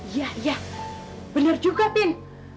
iya iya bener juga pin